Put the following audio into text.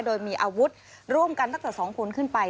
โดยมีอาวุธร่วมกันตั้งแต่๒คนขึ้นไป